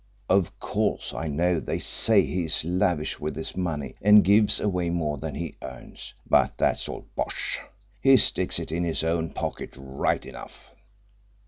Of course I know they say he is lavish with his money and gives away more than he earns, but that's all bosh he sticks it in his own pocket, right enough.